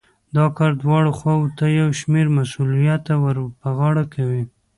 دا کار دواړو خواوو ته يو شمېر مسوليتونه ور په غاړه کوي.